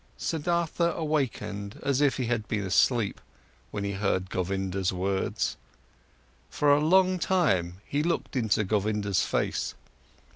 Siddhartha awakened as if he had been asleep, when he heard Govinda's words. For a long time, he looked into Govinda's face.